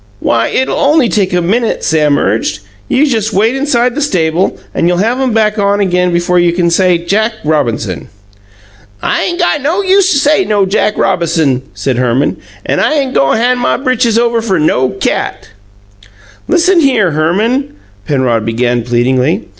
"Why, it'll only take a minute," Sam urged. "You just wait inside the stable and you'll have 'em back on again before you could say 'Jack Robinson.'" "I ain' got no use to say no Jack Robason," said Herman. "An' I ain' go' to han' over my britches fer NO cat!" "Listen here, Herman," Penrod began pleadingly.